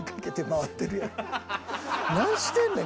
何してんねん